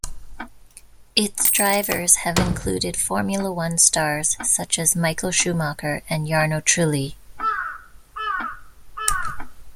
Its drivers have included Formula One stars such as Michael Schumacher and Jarno Trulli.